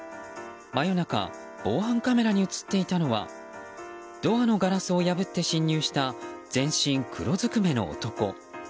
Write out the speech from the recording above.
真夜中防犯カメラに映っていたのはドアのガラスを破って侵入した全身黒ずくめの男。